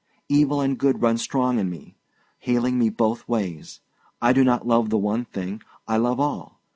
Evil and good run strong in me, hailing me both ways. I do not love the one thing; I love all.